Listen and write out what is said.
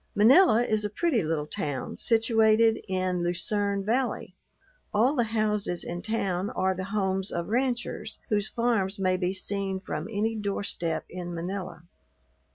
Manila is a pretty little town, situated in Lucerne Valley. All the houses in town are the homes of ranchers, whose farms may be seen from any doorstep in Manila.